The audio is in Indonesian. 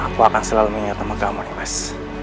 aku akan selalu mengingatkan kamu nih mas